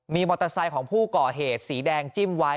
มีมอเตอร์ไซค์ของผู้ก่อเหตุสีแดงจิ้มไว้